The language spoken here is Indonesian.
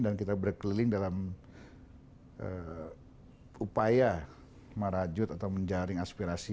dan kita berkeliling dalam upaya marajut atau menjaring aspirasi